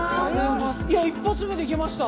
１発目でいけました。